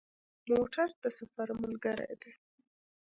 موټر د سفر ملګری دی.